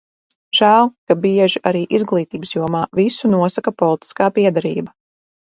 Žēl, ka bieži arī izglītības jomā visu nosaka politiskā piederība.